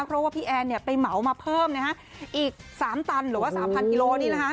เพราะว่าพี่แอนไปเหมามาเพิ่มอีก๓ตันหรือว่า๓๐๐๐กิโลกรัมนี้นะฮะ